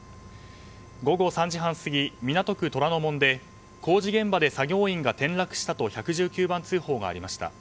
午後３時半過ぎ、港区虎ノ門で工事現場で作業員が転落したと１１９番通報がありました。